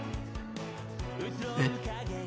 えっ？